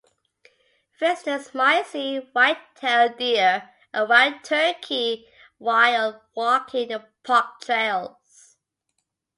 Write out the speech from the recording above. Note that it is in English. Visitors might see white-tailed deer and wild turkey while walking the park trails.